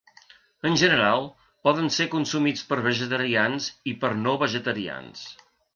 En general, poden ser consumits per vegetarians i per no vegetarians.